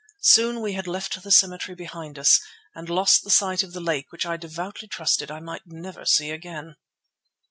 Soon we had left the cemetery behind us, and lost sight of the lake which I devoutly trusted I might never see again.